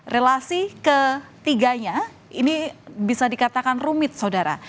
relasi ketiganya ini bisa dikatakan rumit saudara